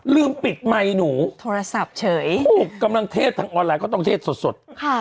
ลืมปิดไมค์หนูโทรศัพท์เฉยกำลังเทศทางออนไลน์ก็ต้องเทศสดสดค่ะ